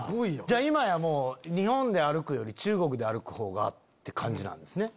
今や日本で歩くより中国で歩くほうがって感じなんですね。